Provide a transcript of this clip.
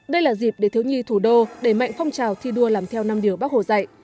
đây là dịp để thiếu nhi thủ đô đẩy mạnh phong trào thi đua làm theo năm điều bác hồ dạy